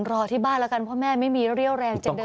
รอที่บ้านแล้วกันเพราะแม่ไม่มีเรี่ยวแรงจนเดิ